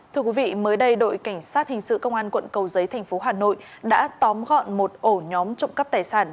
thưa quý vị mới đây đội cảnh sát hình sự công an quận cầu giấy thành phố hà nội đã tóm gọn một ổ nhóm trộm cắp tài sản